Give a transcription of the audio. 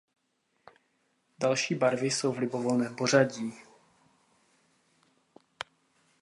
Další barvy jsou v libovolném pořadí.